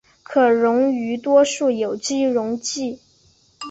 可溶于多数有机溶剂。